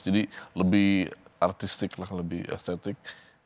jadi lebih artistik lebih estetik